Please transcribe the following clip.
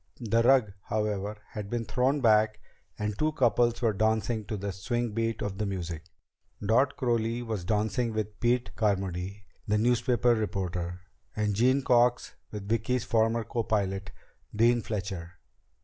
The rug, however, had been thrown back and two couples were dancing to the swing beat of the music. Dot Crowley was dancing with Pete Carmody, the newspaper reporter, and Jean Cox with Vicki's former copilot, Dean Fletcher.